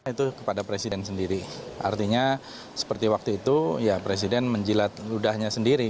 itu kepada presiden sendiri artinya seperti waktu itu ya presiden menjilat ludahnya sendiri